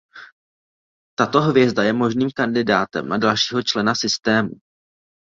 Tato hvězda je možným kandidátem na dalšího člena systému.